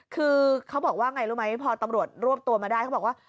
คือเขาบอกว่าไงรู้ไหมพอตำรวจรวบตัวมาได้เขาบอกว่า